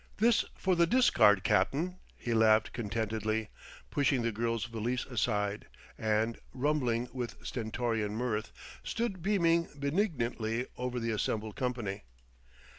"This for the discard, Cap'n," he laughed contentedly, pushing the girl's valise aside; and, rumbling with stentorian mirth, stood beaming benignantly over the assembled company.